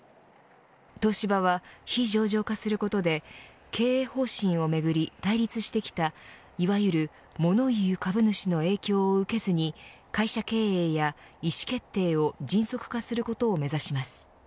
東芝は非上場化することで経営方針をめぐり対立してきたいわゆるモノ言う株主の影響を受けずに会社経営や意思決定を迅速化することを目指します。